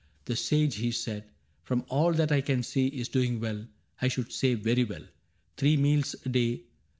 " The Sage," he said, " From all that I can see, is doing well — I should say very well. Three meals a day.